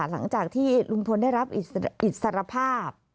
หลังจากที่ลุงพลได้รับอิสรภาพ